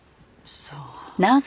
そう。